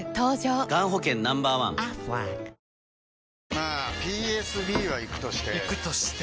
まあＰＳＢはイクとしてイクとして？